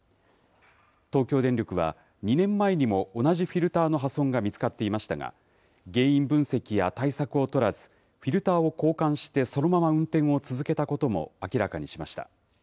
東京電力は、２年前にも同じフィルターの破損が見つかっていましたが、原因分析や対策を取らず、フィルターを交換してそのまま運転を続けたことも明らかにしました。